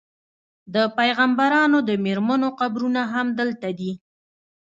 د پیغمبرانو د میرمنو قبرونه هم دلته دي.